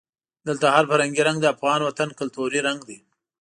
دلته هر فرهنګي رنګ د افغان وطن کلتوري رنګ دی.